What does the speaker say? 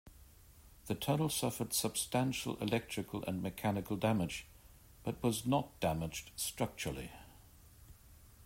The tunnel suffered substantial electrical and mechanical damage, but was not damaged structurally.